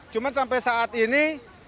cuma sampai saat ini